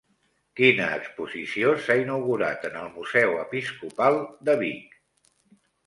Quina exposició s'ha inaugurat en el Museu Episcopal de Vic?